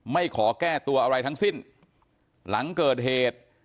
ไม่ขอแก้ตัวอะไรทั้งสิ้นหลังเกิดเหตุ